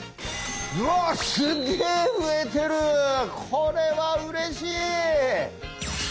これはうれしい。